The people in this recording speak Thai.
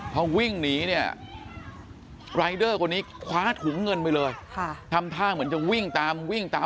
พอวิ่งหนีเนี่ยรายเดอร์คนนี้คว้าถุงเงินไปเลยทำท่าเหมือนจะวิ่งตามวิ่งตาม